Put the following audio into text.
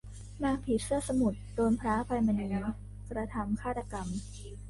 นางผีเสื้อสมุทร โดนพระอภัยมณีกระทำฆาตกรรม